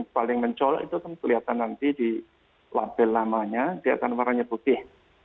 paling mencolok itu kan kelihatan nanti di label lamanya dia akan warnanya putih